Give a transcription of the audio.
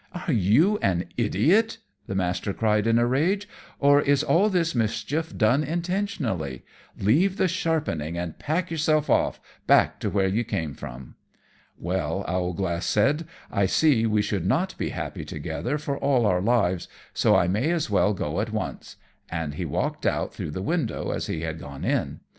"Are you an idiot?" the Master cried in a rage; "or is all this mischief done intentionally? Leave the sharpening and pack yourself off back to where you came from." "Well," Owlglass said, "I see we should not be happy together for all our lives, so I may as well go at once;" and he walked out through the window as he had gone in.